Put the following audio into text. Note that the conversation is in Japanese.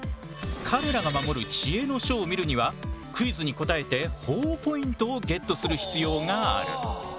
彼らが守る知恵の書を見るにはクイズに答えてほぉポイントをゲットする必要がある。